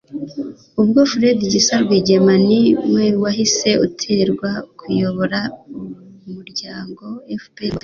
Ubwo Fred Gisa Rwigema ni we wahise atorerwa kuyobora Umuryango FPR-Inkotanyi.